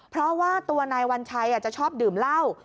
เพราะว่าตัวนายวัญชัยจะชอบดื่มเหล้า